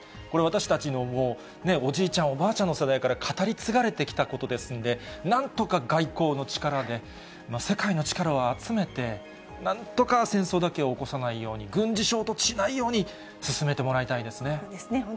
これは私たちのおじいちゃん、おばあちゃんの世代から語り継がれてきたことですので、なんとか外交の力で世界の力を集めて、なんとか戦争だけは起こさないように、軍事衝突しないように進めてもらいたいですね。